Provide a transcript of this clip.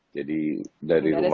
jadi dari rumah aja